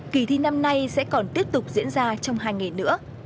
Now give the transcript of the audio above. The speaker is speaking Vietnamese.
kỳ thi năm nay sẽ còn tiếp tục diễn ra trong hai ngày nữa